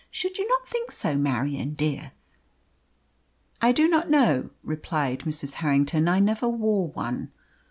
Should you not think so, Marion dear?" "I do not know," replied Mrs. Harrington; "I never wore one."